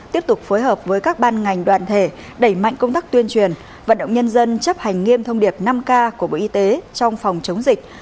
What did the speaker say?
tiếp tục phối hợp với các ban ngành đoàn thể đẩy mạnh công tác tuyên truyền vận động nhân dân chấp hành nghiêm thông điệp năm k của bộ y tế trong phòng chống dịch